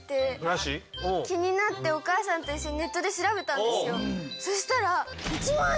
気になってお母さんと一緒にネットで調べたんですよ。